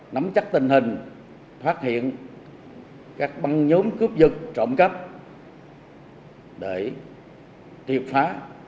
nắm chắc tình hình phát hiện các băng nhóm cướp dực trộm cắp để tiệp phá